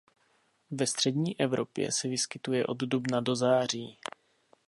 Ve střední Evropě se vyskytuje od dubna do září.